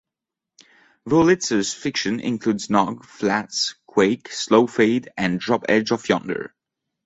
Wurlitzer's fiction includes "Nog", "Flats", "Quake", "Slow Fade", and "Drop Edge of Yonder".